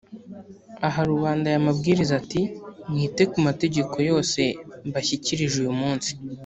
aha rubanda aya mabwiriza, ati «mwite ku mategeko yose mbashyikirije uyu munsi.